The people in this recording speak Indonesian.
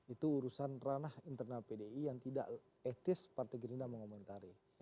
itu urusan ranah internal pdi yang tidak etis partai gerindra mengomentari